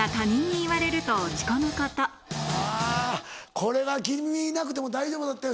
これは「君いなくても大丈夫だったよ